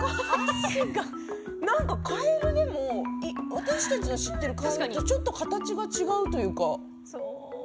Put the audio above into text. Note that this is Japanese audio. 私たちが知っているカエルとちょっと形が違うというか。